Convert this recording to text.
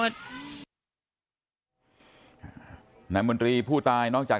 สวัสดีครับ